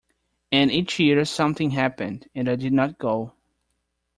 And each year something happened, and I did not go.